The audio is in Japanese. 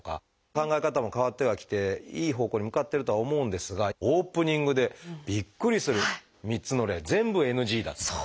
考え方も変わってはきていい方向に向かってるとは思うんですがオープニングでびっくりする３つの例全部ＮＧだっていう。